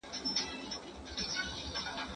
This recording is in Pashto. ¬ خر چي تر خره پاته سو، لکۍ ئې د پرې کېدو ده.